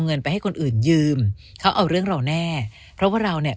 เงินไปให้คนอื่นยืมเขาเอาเรื่องเราแน่เพราะว่าเราเนี่ย